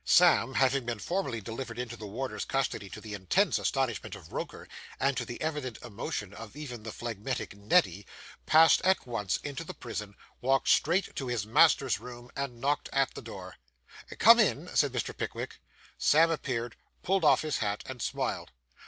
Sam, having been formally delivered into the warder's custody, to the intense astonishment of Roker, and to the evident emotion of even the phlegmatic Neddy, passed at once into the prison, walked straight to his master's room, and knocked at the door. 'Come in,' said Mr. Pickwick. Sam appeared, pulled off his hat, and smiled.